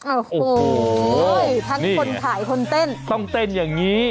โอ้โหทั้งคนขายคนเต้นต้องเต้นอย่างนี้